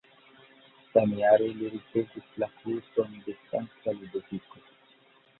Samjare, li ricevis la krucon de Sankta Ludoviko.